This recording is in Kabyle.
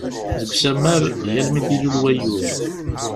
Deg Usammar, yal mi d-ilul wayyur.